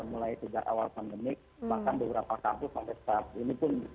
mulai sejak awal pandemi bahkan beberapa kampus sampai saat ini pun